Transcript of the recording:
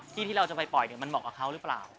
ที่เราจะไปปล่อยมันเหมาะกับเขาหรือเปล่า